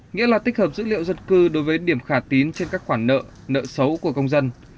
nghĩa là tích hợp dữ liệu dân cư đối với điểm khả tín trên các khoản nợ nợ xấu của công dân